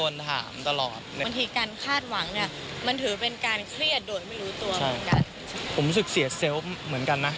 ผมรู้สึกเสียเซลล์เหมือนกันนะ